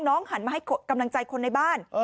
หันมาให้กำลังใจคนในบ้าน